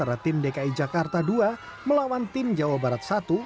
pertandingan bola voli pasir dki jakarta dua melawan tim jawa barat